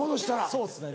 そうですね。